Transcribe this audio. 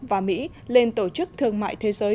và mỹ lên tổ chức thương mại thế giới